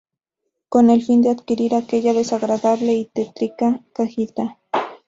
con el fin de adquirir aquella desagradable y tétrica cajita